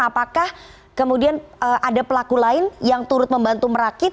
apakah kemudian ada pelaku lain yang turut membantu merakit